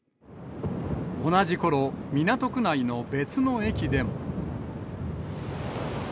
同じころ、港区内の別の駅でも。